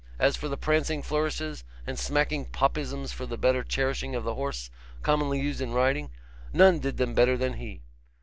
As for the prancing flourishes and smacking popisms for the better cherishing of the horse, commonly used in riding, none did them better than he.